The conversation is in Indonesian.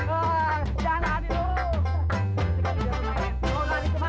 eh jangan lagi tuh